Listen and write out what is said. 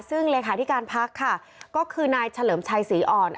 ซึ่งเลขาธิการพักค่ะก็คือนายเฉลิมชัยศรีอ่อน